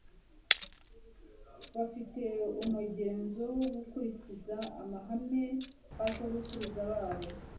bafite umugenzo wo gukurikiza amahame basogokuruza babo